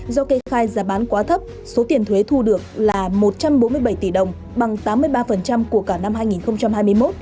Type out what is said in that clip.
do cây khai giá bán quá thấp số tiền thuế thu được là một trăm bốn mươi bảy tỷ đồng bằng tám mươi ba của cả năm hai nghìn hai mươi một